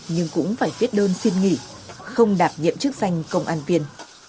nhưng cũng phải viết đơn xin nghỉ không đảm nhiệm chức danh công an viên